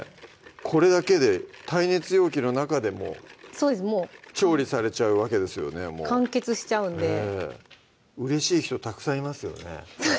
これだけで耐熱容器の中でもうそうですもう調理されちゃうわけですよね完結しちゃうんでうれしい人たくさんいますよね